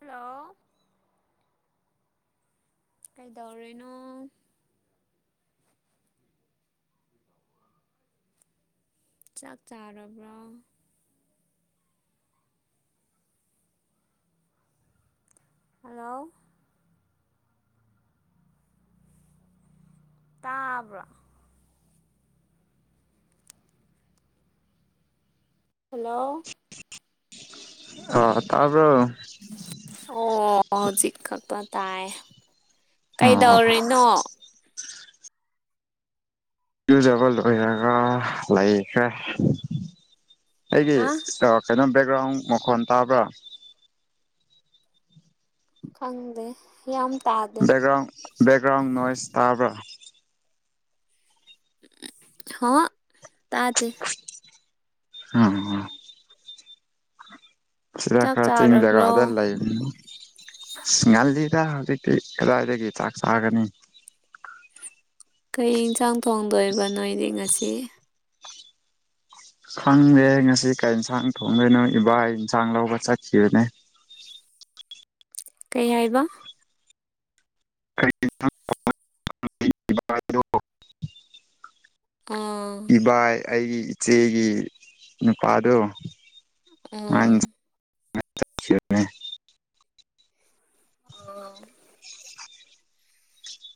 hello ꯀꯥꯏꯗꯧꯔꯤꯅꯣ ꯆꯥꯛ ꯆꯥꯔꯕ꯭ꯔꯥ ꯍꯜꯂꯣ ꯇꯥꯕ꯭ꯔꯣ ꯍꯜꯂꯣ ꯑ ꯇꯥꯔꯕꯣ ꯑꯣ ꯍꯧꯖꯤꯛ ꯀꯛꯇ ꯇꯥꯏ ꯑꯣ ꯀꯩꯗꯧꯔꯤꯅꯣ ꯢꯌꯨꯖꯥꯕ ꯂꯣꯏꯔꯒ ꯂꯩꯈ꯭ꯔꯦ ꯑꯩꯒꯤ ꯍꯥ ꯆꯅꯝ ꯕꯦꯛꯒ꯭ꯔꯥꯎꯟ ꯃꯈꯣꯟ ꯇꯥꯕ꯭ꯔꯥ ꯈꯪꯗꯦ ꯌꯥꯝ ꯇꯥꯗꯦ ꯕꯦꯛꯒ꯭ꯔꯥꯎꯟ ꯕꯦꯛꯒ꯭ꯔꯥꯎꯟ ꯅꯣꯏꯁ ꯇꯥꯕ꯭ꯔꯥ ꯍ ꯇꯥꯗꯦ ꯎꯝ ꯁꯤꯗ ꯆꯥꯛ ꯈꯔ ꯆꯤꯡꯖꯒꯥꯗ ꯆꯥꯔꯕ꯭ꯔꯣ ꯂꯩꯕꯅꯤꯅ ꯑꯁ ꯉꯜꯂꯤꯗ ꯍꯧꯖꯤꯛꯇꯤ ꯀꯗꯥꯏꯗꯒꯤ ꯆꯥꯛ ꯆꯥꯒꯅꯤ ꯀꯩ ꯏꯟꯁꯥꯡ ꯊꯣꯡꯗꯣꯏꯕ ꯅꯣꯏꯗꯤ ꯉꯥꯁꯤ ꯈꯪꯗꯦ ꯉꯁꯤ ꯀꯩ ꯏꯟꯁꯥꯡ ꯊꯣꯡꯗꯣꯏꯅꯣ ꯏꯕꯥꯢ ꯏꯟꯁꯥꯡ ꯂꯧꯕ ꯆꯠꯈꯤꯕꯅꯦ ꯀꯩ ꯍꯥꯏꯕ ꯀꯩ ꯢꯟꯖꯥꯛ [inaudible] ꯑꯣ ꯏꯕꯥꯏ ꯑꯩꯒꯤ ꯏꯆꯦꯒꯤ ꯅꯨꯄꯥꯗꯨ ꯑꯣ ꯁꯤꯔꯝꯃꯦ ꯑꯣ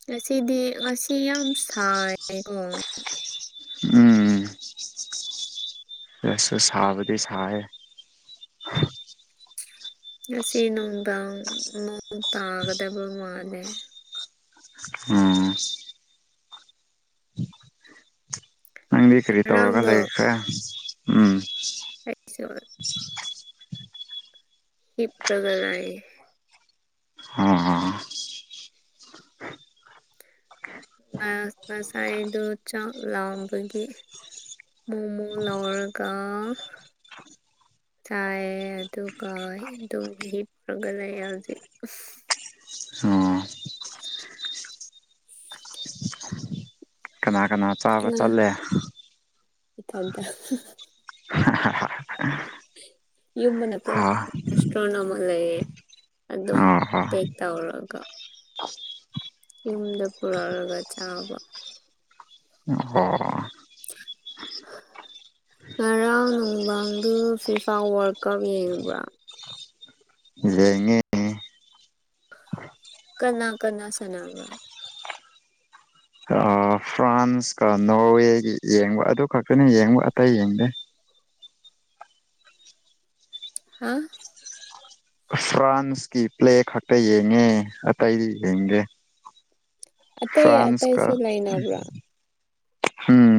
ꯉꯁꯤꯗꯤ ꯉꯁꯤ ꯌꯥꯝ ꯁꯥꯏ ꯑꯦ ꯀꯣ ꯎꯝ ꯑꯁꯁꯨ ꯁꯥꯕꯗꯤ ꯁꯥꯌꯦ ꯉꯁꯤ ꯅꯨꯡꯗꯥꯡ ꯅꯣꯡ ꯇꯥꯒꯗꯕ ꯃꯥꯜꯂꯦ ꯎꯝ ꯅꯪꯗꯤ ꯀꯔꯤ ꯇꯧꯔꯒ ꯉꯔꯥꯡꯗꯣ ꯂꯩꯈ꯭ꯔꯦ ꯎꯝ ꯀꯩꯁꯨ [unintelligible] ꯍꯤꯄꯒ ꯂꯩ ꯑꯣ ꯉꯥ ꯉꯁꯥꯏꯗꯣ ꯆꯥꯛ ꯂꯥꯝꯕꯒꯤ ꯃꯣꯃꯣ ꯂꯧꯔꯒ ꯆꯥꯏꯑꯦ ꯑꯗꯨꯒ ꯑꯗꯨꯝ ꯍꯤꯄꯔꯒ ꯂꯩꯌꯦ ꯍꯧꯖꯤꯛ ꯑꯣ [unintelligible] ꯈꯣꯆꯥꯒ ꯆꯠꯂꯦ ꯏꯊꯟꯇꯥ [unintelligible] ꯌꯨꯝ ꯃꯅꯥꯛꯇꯥ ꯍꯥ ꯔꯦꯁꯇꯨꯔꯦ꯭ꯟꯠ ꯑꯃ ꯂꯩꯑꯦ ꯑꯗꯨꯝ ꯑꯣ ꯍꯣ ꯄꯦꯛ ꯇꯧꯔꯒ ꯌꯨꯝꯗ ꯄꯨꯔꯛꯔꯥꯒ ꯆꯥꯕ ꯑꯣ ꯍꯣ [unintelligible] ꯉꯔꯥꯡ ꯅꯨꯡꯗꯥꯡꯗꯨ ꯐꯤꯐꯥ ꯋꯥꯔꯜ ꯀꯞ ꯌꯦꯡꯕ꯭ꯔꯥ ꯌꯦꯡꯉꯤ ꯀꯅꯥ ꯀꯅꯥ ꯁꯅꯥꯕ꯭ꯔ ꯐꯔꯥ꯭ꯟꯁꯀꯥ ꯅꯣꯔꯋꯦꯒꯤ ꯌꯦꯡꯕ ꯑꯗꯨ ꯈꯛꯇꯅꯤ ꯌꯦꯡꯕ ꯑꯇꯩ ꯌꯦꯡꯗꯦ ꯍꯥ ꯐ꯭ꯔꯥꯟꯁꯀꯤ ꯄ꯭ꯂꯦ ꯈꯛꯇ ꯌꯦꯡꯉꯦ ꯑꯇꯩꯗꯤ ꯌꯦꯡꯗꯦ ꯑꯇꯩ ꯐ꯭ꯔꯥꯟꯁꯀꯥ ꯑꯇꯩꯁꯨ ꯂꯩꯅꯕ꯭ꯔꯥ ꯎꯝ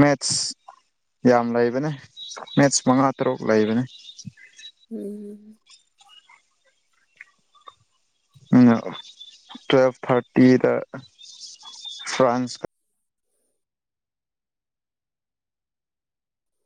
ꯃꯦꯠ꯭ꯁ ꯌꯥꯝ ꯂꯩꯕꯅꯦ ꯃꯦꯠ꯭ꯁ ꯃꯉꯥ ꯇꯥꯔꯨꯛ ꯂꯩꯕꯅꯦ ꯎꯝ ꯇꯨꯋꯦꯜꯞ ꯊꯥꯔꯇꯤꯗ ꯐ꯭ꯔꯥꯟꯁ